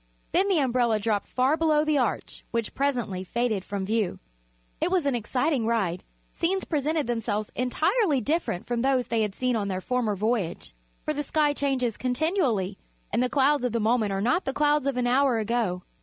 Then the umbrella dropped far below the arch, which presently faded from view. It was an exciting ride. Scenes presented themselves entirely different from those they had seen on their former voyage, for the sky changes continually and the clouds of the moment are not the clouds of an hour ago.